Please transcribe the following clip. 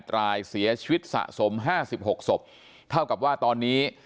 รายเสียชีวิตสะสม๕๖ศพเท่ากับว่าตอนนี้